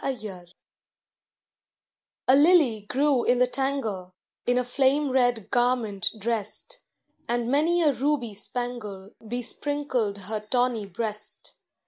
KINSHIP A lily grew in the tangle, In a flame red garment dressed, And many a ruby spangle Besprinkled her tawny breast.